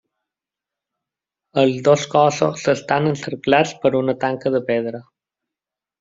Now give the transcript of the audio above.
Els dos cossos estan encerclats per una tanca de pedra.